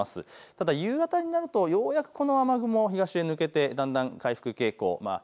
ただ夕方になるとようやく雨雲が東に抜けてだんだん回復傾向です。